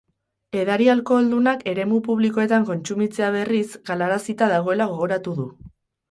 Edari alkoholdunak eremu publikoetan kontsumitzea, berriz, galarazita dagoela gogoratu du.